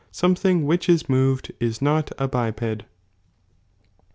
Something which is moved is not a biped.